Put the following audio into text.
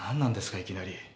いきなり。